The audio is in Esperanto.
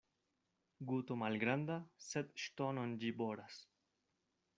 Guto malgranda, sed ŝtonon ĝi boras.